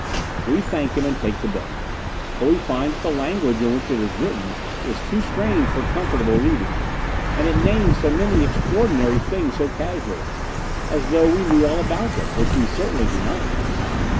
We thank him and take the book. But we find that the language in which it is written is too strange for comfortable reading. And it names so many extraordinary things so casually! As though we knew all about them, which we certainly do not!